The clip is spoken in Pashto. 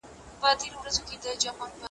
د مال مینه باید د انسان تر منځ جدایي رانه ولي.